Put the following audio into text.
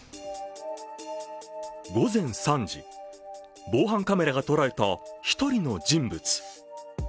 午前３時、防犯カメラが捉えた１人の人物。